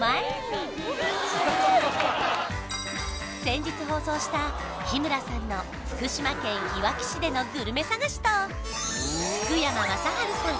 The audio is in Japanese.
先日放送した日村さんのでのグルメ探しと福山雅治さん